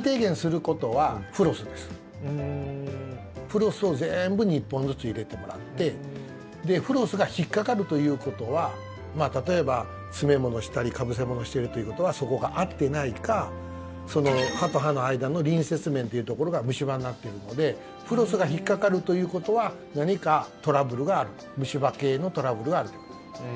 フロスを全部に１本ずつ入れてもらってフロスが引っかかるということは例えば、詰め物したりかぶせ物してるということはそこが合ってないかその歯と歯の間の隣接面というところが虫歯になっているのでフロスが引っかかるということは何かトラブルがある虫歯系のトラブルがあるということ。